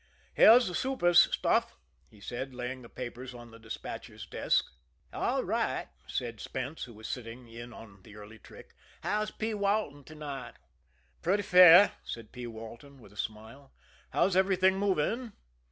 "Here's the super's stuff," he said, laying the papers on the despatcher's desk. "All right," said Spence, who was sitting in on the early trick. "How's P. Walton to night?" "Pretty fair," said P. Walton, with a smile. "How's everything moving?"